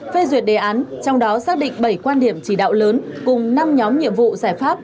phê duyệt đề án trong đó xác định bảy quan điểm chỉ đạo lớn cùng năm nhóm nhiệm vụ giải pháp